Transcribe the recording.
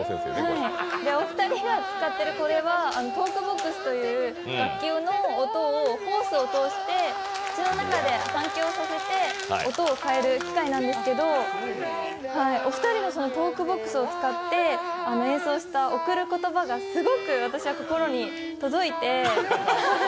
お二人が使ってるこれはトークボックスという楽器の音をホースを通して口の中で反響させて音を変える機械なんですけどお二人のトークボックスを使って演奏した「贈る言葉」がすごく私は心に届いて。